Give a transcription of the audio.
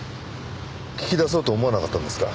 聞き出そうと思わなかったんですか？